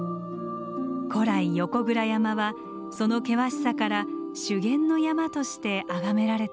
古来横倉山はその険しさから修験の山として崇められてきました。